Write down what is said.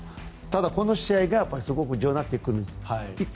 ただ、この試合が非常に重要になってくる。